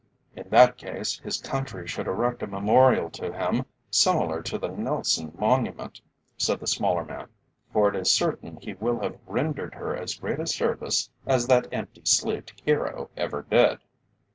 "In that case his country should erect a memorial to him, similar to the Nelson Monument," said the smaller man. "For it is certain he will have rendered her as great a service as that empty sleeved Hero ever did."